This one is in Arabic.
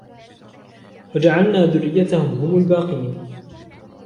وجعلنا ذريته هم الباقين